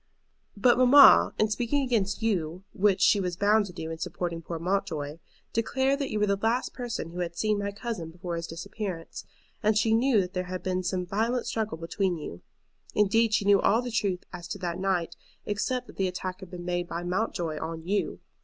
"But mamma, in speaking against you, which she was bound to do in supporting poor Mountjoy, declared that you were the last person who had seen my cousin before his disappearance, and she knew that there had been some violent struggle between you. Indeed, she knew all the truth as to that night, except that the attack had been made by Mountjoy on you.